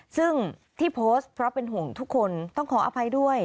ซึ่งที่โพสต์เพราะเป็นห่วงทุกคนต้องขออภัยด้วย